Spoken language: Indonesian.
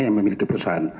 yang memiliki perusahaan